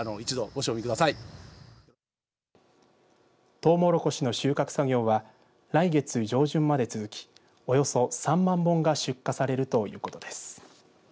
トウモロコシの収穫作業は来月上旬まで続きおよそ３万本が出荷されるということです。